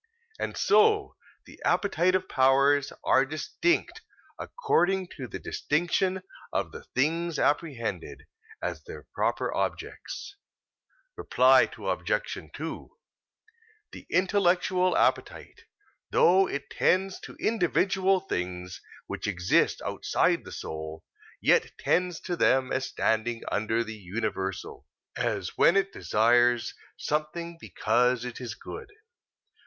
And so the appetitive powers are distinct according to the distinction of the things apprehended, as their proper objects. Reply Obj. 2: The intellectual appetite, though it tends to individual things which exist outside the soul, yet tends to them as standing under the universal; as when it desires something because it is good.